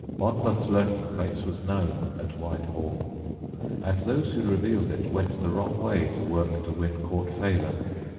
] Monmouth's lurking place was known at Whitehall, and those who revealed it went the wrong way to work to win Court favour.